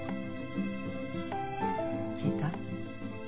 聞いた？